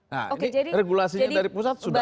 nah ini regulasinya dari pusat sudah